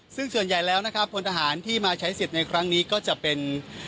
ซึ่งส่วนใหญ่แล้วนะครับพลทหารที่มาใช้สิทธิ์ในครั้งนี้ก็จะเป็น